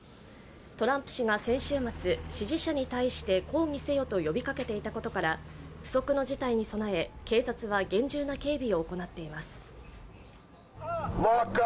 トランプ氏が先週末支持者に対して「抗議せよ」と呼びかけていたことから不測の事態に備え、警察が厳重な警備を行っています。